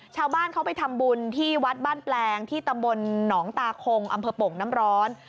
ชาวบ้านเขาไปทำบุญที่วัดบ้านแปลงที่ตำบลหนองตาคงอำเภอโป่งน้ำร้อน